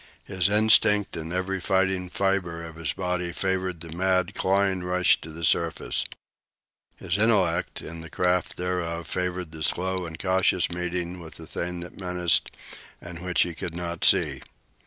His instinct and every fighting fibre of his body favored the mad, clawing rush to the surface. His intellect, and the craft thereof, favored the slow and cautious meeting with the thing that menaced and which he could not see.